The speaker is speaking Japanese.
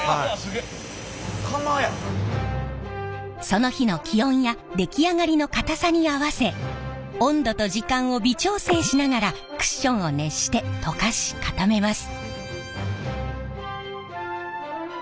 その日の気温や出来上がりの硬さに合わせ温度と時間を微調整しながらクッションを熱して溶かし固めます。